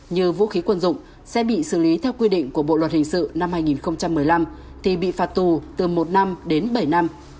như vũ khí quân dụng sẽ bị xử lý theo quy định của bộ luật hình sự năm hai nghìn một mươi năm thì bị phạt tù từ một năm đến bảy năm